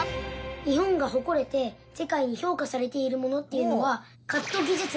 日本が誇れて世界に評価されているものっていうのは。